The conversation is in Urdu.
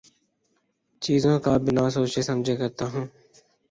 چیزوں کا بنا سوچے سمجھے کرتا ہوں